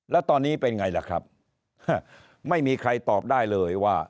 แล้วตอนนี้เป็นไงล่ะครับไม่มีใครตอบได้เลยว่า